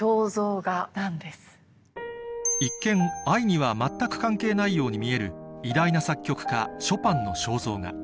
一見愛には全く関係ないように見える偉大な作曲家ショパンの肖像画